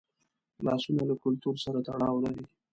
لاسونه له کلتور سره تړاو لري